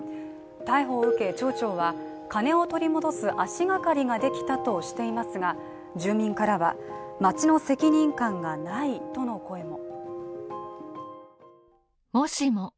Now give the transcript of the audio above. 逮捕を受け町長は金を取り戻す足がかりができたとしていますが住民からは、町の責任感がないとの声も。